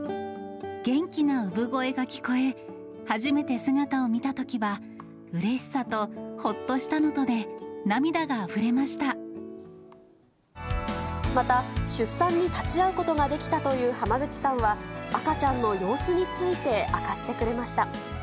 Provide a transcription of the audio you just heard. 元気な産声が聞こえ、初めて姿を見たときは、うれしさとほっとしたのとで、涙があふれまた、出産に立ち会うことができたという濱口さんは、赤ちゃんの様子について明かしてくれました。